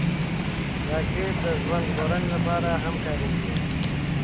راکټ د ژوند ژغورنې لپاره هم کارېږي